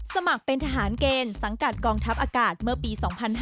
สมัครเป็นทหารเกณฑ์สังกัดกองทัพอากาศเมื่อปี๒๕๕๙